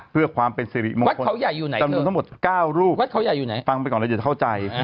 เพื่อความเป็นสิริมงคลจำนวนทั้งหมด๙รูปฟังไปก่อนแล้วจะเข้าใจ